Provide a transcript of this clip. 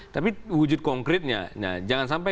tapi wujud konkretnya jangan sampai